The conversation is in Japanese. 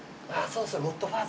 そうそう。